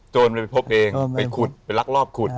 ไปพบเองไปขุดไปลักลอบขุด